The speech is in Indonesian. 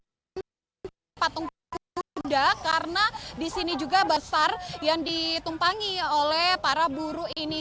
dan patung kuda karena disini juga besar yang ditumpangi oleh para buru ini